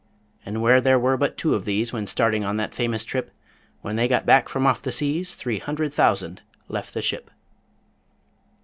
And where there were but two of these When starting on that famous trip, When they got back from off the seas, Three hundred thousand left the ship!